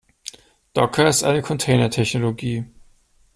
Docker ist eine Container-Technologie.